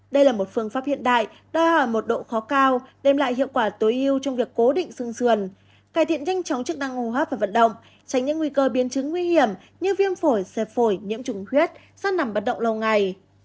đây là một phương pháp hiện đại đòi hỏi một độ khó cao đem lại hiệu quả tối hưu trong việc cố định sương sườn cải thiện nhanh chóng chức năng hồ hấp và vận động tránh những nguy cơ biến chứng nguy hiểm như viêm phổi xe phổi nhiễm trùng huyết sát nằm vận động lâu ngày